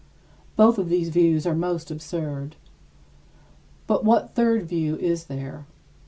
Both of these views are most absurd. But what third view is there?